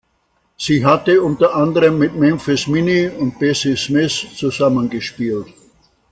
Sie hatte unter anderem mit Memphis Minnie und Bessie Smith zusammen gespielt.